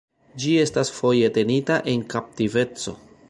Ĝi estas foje tenita en kaptiveco.